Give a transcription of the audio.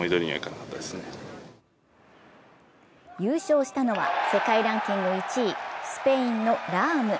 優勝したのは世界ランキング１位、スペインのラーム。